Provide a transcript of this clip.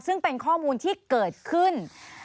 ซึ่งเป็นข้อมูลที่เกิดขึ้น